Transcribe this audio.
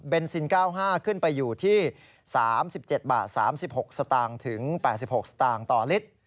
เบนซิน๙๕ขึ้นไปอยู่ที่๓๗๓๖สตถึง๘๖สตต่อลิตร